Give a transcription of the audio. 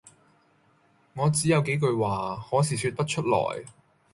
「我只有幾句話，可是説不出來。